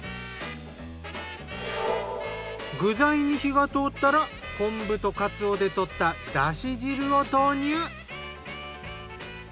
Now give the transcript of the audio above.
具材に火が通ったら昆布とかつおでとっただし汁を投入。